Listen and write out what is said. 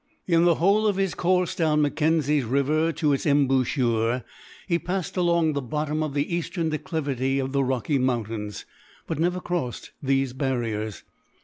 In the whole of his course down Mackenzie's river to its embouchure, he passed along the bottom of the eastern declivity of the Rocky Mountains, but never crossed these barriers.